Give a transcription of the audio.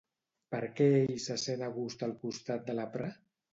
Per què ell se sent a gust al costat de la Prah?